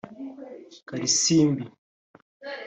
Karisimbi